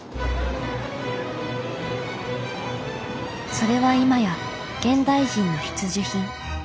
それは今や現代人の必需品。